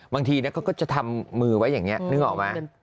บางทีเขาก็จะทำมือไว้อย่างนี้นึกออกไหม